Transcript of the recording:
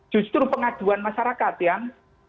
justru pengaduan masyarakat yang